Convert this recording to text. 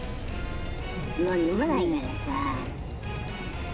もう飲まないからさ。